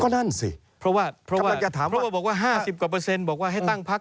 ก็นั่นสิอาจารย์จะถามว่าเพราะว่าบอกว่า๕๐ก็บอกว่าให้ตั้งพัก